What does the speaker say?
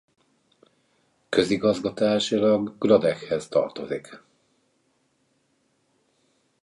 Közigazgatásilag Gradechez tartozik.